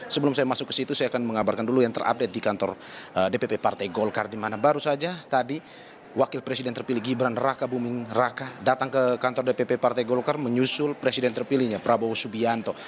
sebelum saya masuk ke situ saya akan mengabarkan dulu yang terupdate di kantor dpp partai golkar di mana baru saja tadi wakil presiden terpilih gibran raka buming raka datang ke kantor dpp partai golkar menyusul presiden terpilihnya prabowo subianto